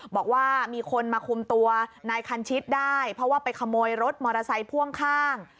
บอกว่ามีคนมาคุมตัวนายคันชิตได้เพราะว่าไปขโมยรถมอเตอร์ไซค์พ่วงข้าง